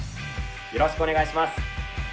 よろしくお願いします。